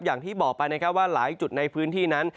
อย่างที่บอกไปนะครับว่าหลายจุดในพื้นที่นั้น